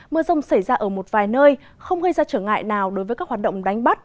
mưa rông xảy ra ở một vài nơi không gây ra trở ngại nào đối với các hoạt động đánh bắt